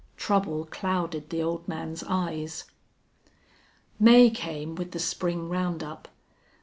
Trouble clouded the old man's eyes. May came with the spring round up.